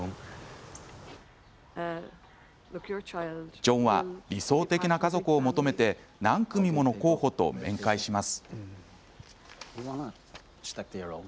ジョンは理想的な家族を求めて何組もの候補と面会します。